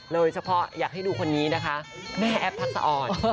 เลยเฉพาะอยากให้ดูคนนี้นะคะแม่แอ๊บทักสรรค์